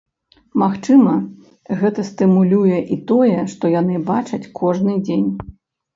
Магчыма, гэта стымулюе і тое, што яны бачаць кожны дзень.